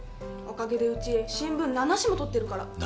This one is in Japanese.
おかげでうち新聞７紙も取ってるから。